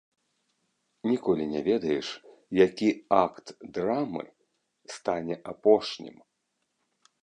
Ніколі не ведаеш, які акт драмы стане апошнім.